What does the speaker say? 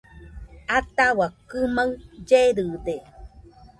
Ataua kɨmaɨ llerɨde